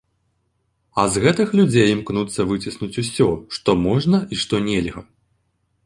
А з гэтых людзей імкнуцца выціснуць усё, што можна і што нельга.